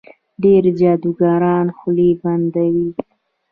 ډېر جادوګران خولې بندوي.